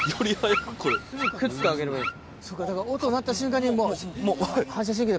クッと上げればいい？